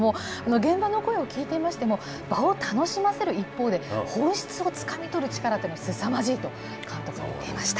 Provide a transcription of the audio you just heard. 現場の声を聞いてみましても、場を楽しませる一方で、本質をつかみ取る力というのはすさまじいと、監督は言っていました。